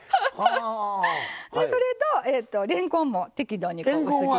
それとれんこんも適度に薄切り。